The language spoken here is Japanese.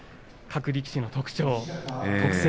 各力士の特徴特性